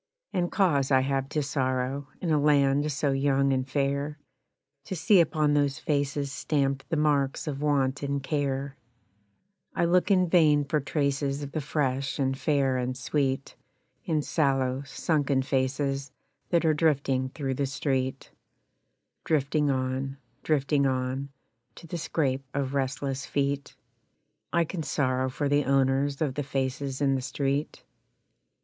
And cause I have to sorrow, in a land so young and fair, To see upon those faces stamped the marks of Want and Care; I look in vain for traces of the fresh and fair and sweet In sallow, sunken faces that are drifting through the street Drifting on, drifting on, To the scrape of restless feet; I can sorrow for the owners of the faces in the street.